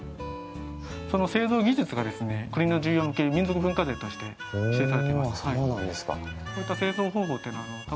この製造技術が国の重要民俗文化財として指定されています。